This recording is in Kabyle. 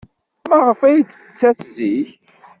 Maɣef ay d-tettas zik?